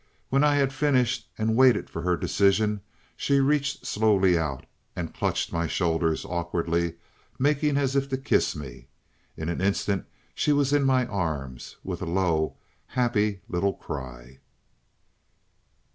When I had finished, and waited for her decision, she reached slowly out and clutched my shoulders, awkwardly making as if to kiss me. In an instant she was in my arms, with a low, happy little cry."